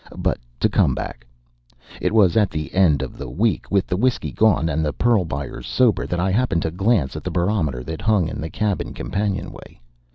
But to come back. It was at the end of the week, with the whiskey gone, and the pearl buyers sober, that I happened to glance at the barometer that hung in the cabin companionway.